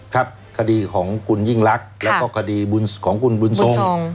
ครับคดีของคุณยิ่งรักแล้วก็คดีของคุณบุญทรง